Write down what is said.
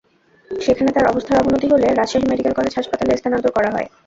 সেখানে তাঁর অবস্থার অবনতি হলে রাজশাহী মেডিকেল কলেজ হাসপাতালে স্থানান্তর করা হয়।